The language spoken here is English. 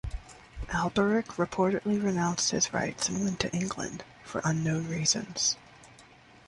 Alberic reportedly renounced his rights and went to England, for unknown reasons.